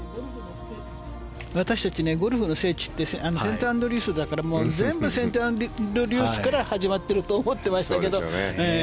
私たち、ゴルフの聖地はセントアンドリュースだから全部セントアンドリュースから始まってると思ってましたけど。